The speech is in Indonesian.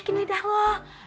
naikin lidah lo